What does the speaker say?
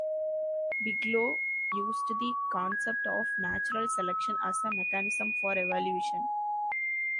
Bigelow used the concept of natural selection as a mechanism for evolution.